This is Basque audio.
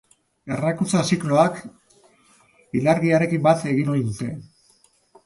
Ernalkuntza zikloak ilargiarekin bat egin ohi dute.